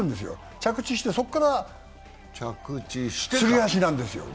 着地して、そこからすり足なんですよ。